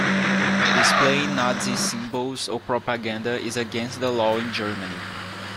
Displaying Nazi symbols or propaganda is against the law in Germany.